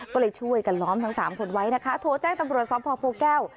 ก็เลยช่วยกันล้อมทั้งสามคนไว้นะคะโทรแจ้งตำรวจสอบพ่อโพแก้ว